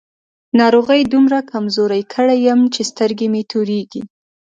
ناروغۍ دومره کمزوری کړی يم چې سترګې مې تورېږي.